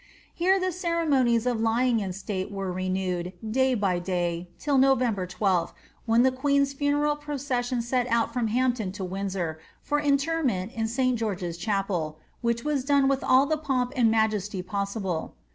Here the ceremonies of lytng io state were renewed, day by day, till November 12th, when the queen's fiineial procession set out from Hampton to Windsor, for interment ia St. Qeorge's chapel, which was done with all the pomp and majesty possible.